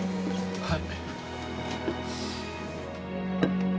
・はい。